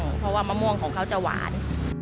ราดูของมะม่วงเพราะมะม่วงของเขาจะหวาน